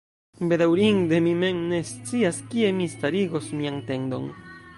Bedaŭrinde, mi mem ne scias, kie mi starigos mian tendon.